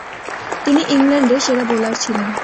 তিনি ইংল্যান্ডের সেরা বোলার ছিলেন।